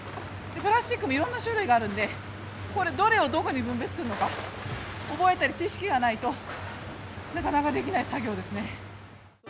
プラスチックもいろんな種類があるんで、どこにどれを分別するのか、覚えたり、知識がないとなかなかできない作業ですね。